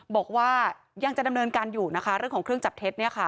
บอกว่ายังจะดำเนินการอยู่นะคะเรื่องของเครื่องจับเท็จ